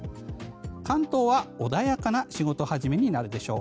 関東は穏やかな仕事始めになるでしょう。